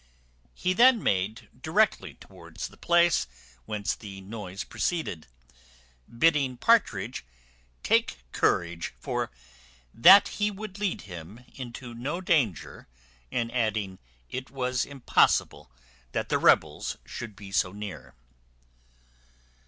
He then made directly towards the place whence the noise proceeded, bidding Partridge "take courage, for that he would lead him into no danger;" and adding, "it was impossible the rebels should be so near."